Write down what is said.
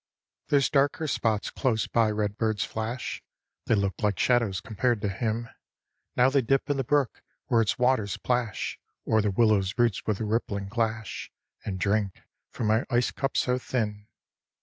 There's darker spots close by redbird's flash; They look like shadows compared to him. Now they dip in the brook where its waters plash O'er the willow's roots with a rippling clash, And drink from my ice cups so thin.